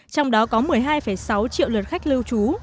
trong đó có một mươi hai sáu triệu lượt khách lưu trú